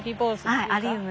はいアリウム。